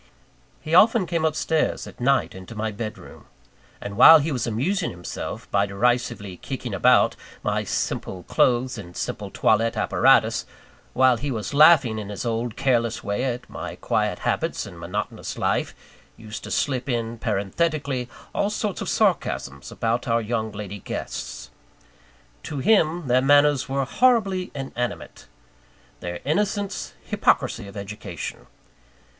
He often came up stairs, at night, into my bed room; and while he was amusing himself by derisively kicking about my simple clothes and simple toilette apparatus; while he was laughing in his old careless way at my quiet habits and monotonous life, used to slip in, parenthetically, all sorts of sarcasms about our young lady guests. To him, their manners were horribly inanimate; their innocence, hypocrisy of education.